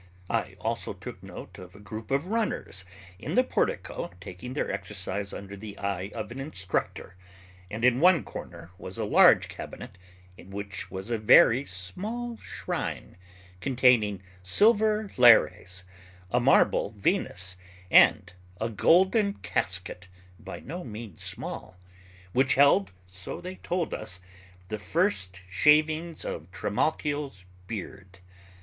I also took note of a group of runners, in the portico, taking their exercise under the eye of an instructor, and in one corner was a large cabinet, in which was a very small shrine containing silver Lares, a marble Venus, and a golden casket by no means small, which held, so they told us, the first shavings of Trimalchio's beard.